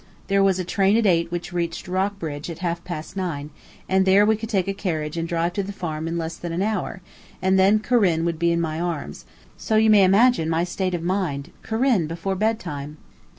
There was a train at eight which reached Rockbridge at half past nine, and there we could take a carriage and drive to the farm in less than an hour, and then Corinne would be in my arms, so you may imagine my state of mind Corinne before bedtime!